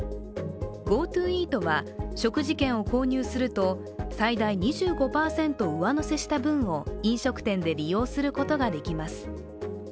ＧｏＴｏイートは食事券を購入すると最大２５％上乗せした分を飲食店で利用することができます。